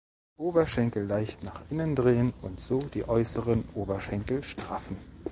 Oberschenkel leicht nach innen drehen und so die äußeren Oberschenkel straffen.